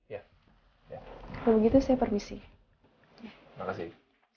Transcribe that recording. ya kalau gitu saya permisi makasih